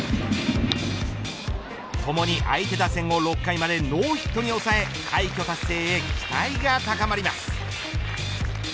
ともに相手打線を６回までノーヒットに抑え快挙達成へ期待が高まります。